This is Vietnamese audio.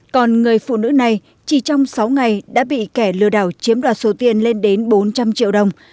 còn người phụ nữ này chỉ trong sáu ngày đã bị kẻ lừa đảo chiếm đoạt số tiền lên đến bốn trăm linh triệu đồng